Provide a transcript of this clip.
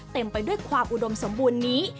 เต็มไปด้วยความอุดมสมบูรณ์นี้